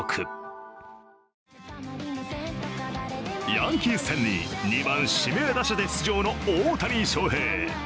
ヤンキース戦に２番・指名打者で出場の大谷翔平。